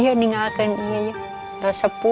danai danai rasakan sakitnya yang mana yang sakit